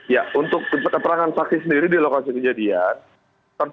ya untuk keperangan sakit sendiri di lokasi kejadian